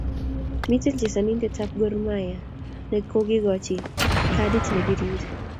Miten chezanindet ab Gormahia ne kakikoji kadit ne piiri